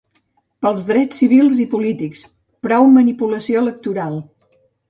Pels drets civils i polítics: prou manipulació electoral!